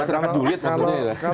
kalau tidak puas tentunya tidak akan